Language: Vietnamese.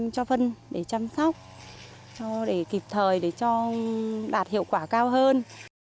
cho phân để chăm sóc để kịp thời để cho đạt hiệu quả cao hơn